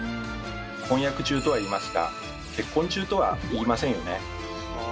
「婚約中」とは言いますが「結婚中」とは言いませんよね？